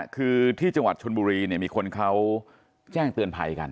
คือที่จังหวัดชนบุรีมีคนเขาแจ้งเตือนภัยกัน